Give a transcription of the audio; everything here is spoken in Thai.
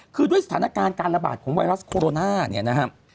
คือด้วยสถานการณ์การระบาดของไวรัสโคโรนาเนี่ยนะครับ